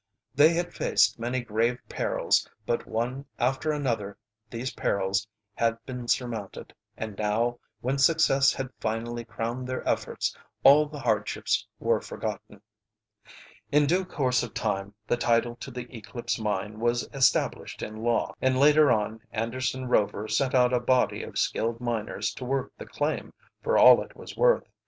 They had faced many grave perils, but one after another these perils had been surmounted, and now, when success had finally crowned their efforts, all the hardships were forgotten. In due course of time the title to the Eclipse Mine was established in law, and later on Anderson Rover sent out a body of skilled miners to work the claim for all it was worth.